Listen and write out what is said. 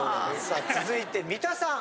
続いて三田さん。